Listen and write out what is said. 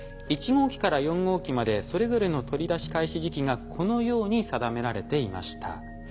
１号機から４号機までそれぞれの取り出し開始時期がこのように定められていました。